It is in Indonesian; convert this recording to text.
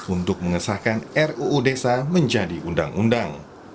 untuk mengesahkan ruu desa menjadi undang undang